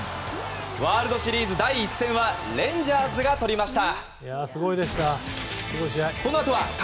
ワールドシリーズ第１戦はレンジャーズがとりました。